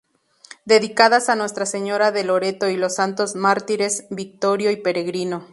Dedicadas a Nuestra Señora de Loreto y los Santos Mártires Victorio y Peregrino.